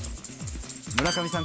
村上さん